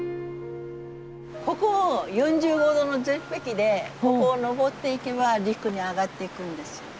ここ４５度の絶壁でここを登っていけば陸に上がっていくんです。